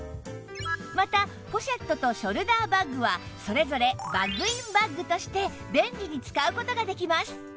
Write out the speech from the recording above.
またポシェットとショルダーバッグはそれぞれバッグインバッグとして便利に使う事ができます